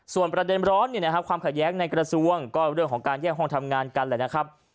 ส่วนประเด็นร้อนความขัดแย้งในกระทรวงก็เรื่องของการแยกห้องทำงานกันแหละนะครับ